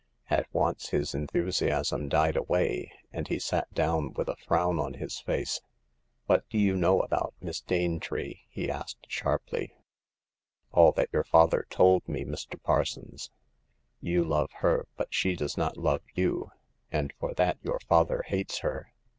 " At once his enthusiasm died away, and he sat down, with a frown on his face. " What do you know about Miss Danetree ?" he asked, sharply. " All that your father told me, Mr. Parsons. You love her, but she does not love you ; and for that your father hates her.